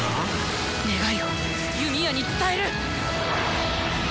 願いを弓矢に伝える！